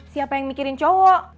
siapa yang mikirin cowok